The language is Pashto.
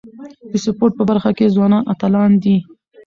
د سپورټ په برخه کي ځوانان اتلان دي.